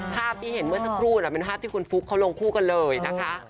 ภาพที่เห็นเมื่อสักครู่เป็นภาพที่คุณฟุ๊กเขาลงคู่กันเลยนะคะ